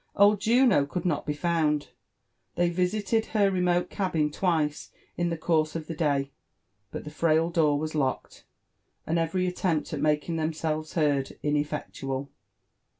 Old Juno could not be found : they Tisited her romofe cabin twice in the course of the djy ; but the frail door was lociied, and every attempt at mailing themselves heard inefleclual.